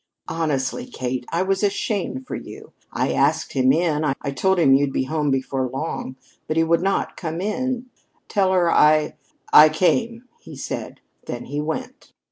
Honestly, Kate, I was ashamed for you. I asked him in. I told him you'd be home before long. But he would not come in. 'Tell her I I came,' he said. Then he went."